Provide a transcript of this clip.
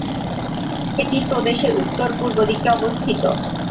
এটি প্রদেশের উত্তর-পূর্ব দিকে অবস্থিত।